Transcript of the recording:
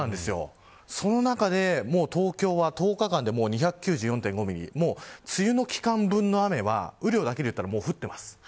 その中で、もう東京は１０日間で２９４．５ミリ梅雨の期間分の雨は雨量だけでいったらもう降っています。